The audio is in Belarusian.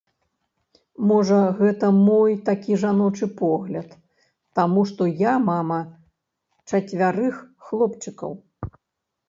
Можа, гэта мой такі жаночы погляд, таму што я мама чацвярых хлопчыкаў.